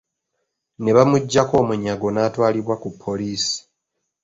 N’ebamuggyako omunyago n’atwalibwa ku poliisi.